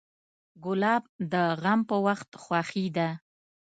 ګلاب د غم په وخت خوښي ده.